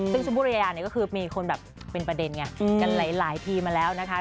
ซึ่งชมพูริยาเนี่ยก็คือมีคนแบบเป็นประเด็นไงกันหลายทีมาแล้วนะคะ